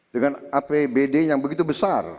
dengan apbd yang begitu besar